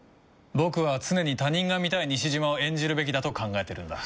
僕は常に他人が見たい西島を演じるべきだと考えてるんだ。